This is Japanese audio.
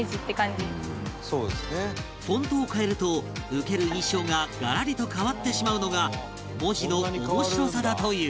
フォントを変えると受ける印象がガラリと変わってしまうのが文字の面白さだという